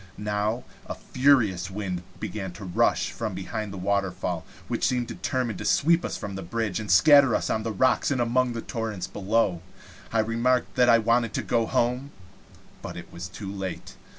Nova a furious wind began to rush out from behind the waterfall, which seemed determined to sweep us from the bridge, and scatter us on the rocks and among the torrents below. I remarked that I wanted to go home; but it was too late.